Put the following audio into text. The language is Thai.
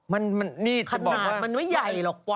ขนาดมันไม่ใหญ่หรอกวะ